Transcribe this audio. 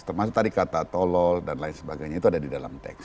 termasuk tadi kata tolol dan lain sebagainya itu ada di dalam teks